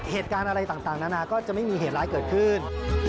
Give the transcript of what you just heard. เหตุการณ์อะไรต่างนานาก็จะไม่มีเหตุร้ายเกิดขึ้น